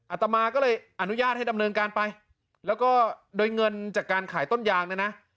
อาตมาก็เลยอนุญาตให้ดำเนินการไปแล้วก็โดยเงินจากการขายต้นยางเนี่ยนะ